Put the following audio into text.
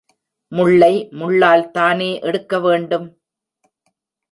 முள்ளை முள்ளால்தானே எடுக்க வேண்டும்?